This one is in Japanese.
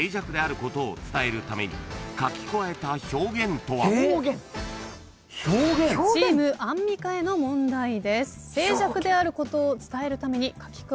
［では］チームアンミカへの問題です。